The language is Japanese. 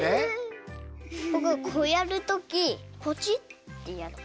ぼくこうやるときポチッてやる。